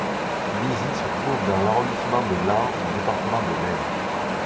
Lizy se trouve dans l'arrondissement de Laon du département de l'Aisne.